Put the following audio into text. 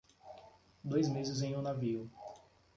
Dois meses em um navio